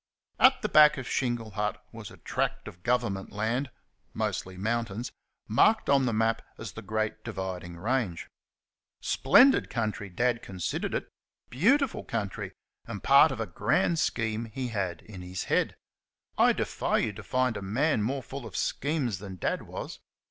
At the back of Shingle Hut was a tract of Government land mostly mountains marked on the map as the Great Dividing Range. Splendid country, Dad considered it BEAUTIFUL country and part of a grand scheme he had in his head. I defy you to find a man more full of schemes than Dad was.